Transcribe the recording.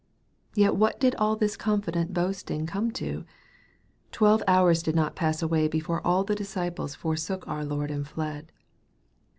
Yet what did all this confident boasting come to ? Twelve hours did not pass away before all the disciples forsook our Lord and fled.